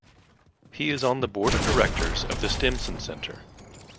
He is on the Board of Directors of The Stimson Center.